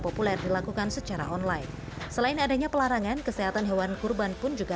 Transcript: populer dilakukan secara online selain adanya pelarangan kesehatan hewan kurban pun juga